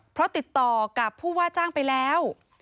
เพราะติดต่อกับผู้ว่าจ้างไปแล้ว